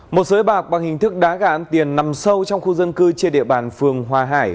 một giới bạc bằng hình thức đá gãn tiền nằm sâu trong khu dân cư trên địa bàn phường hòa hải